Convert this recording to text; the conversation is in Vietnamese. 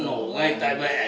nổ ngay tại bệ